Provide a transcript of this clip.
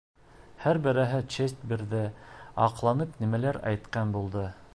Һәр береһе честь бирҙе, аҡланып нимәлер әйткән булды.